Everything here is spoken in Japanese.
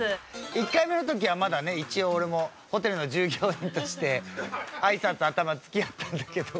１回目の時はまだね一応俺もホテルの従業員としてあいさつ頭付き合ったんだけど。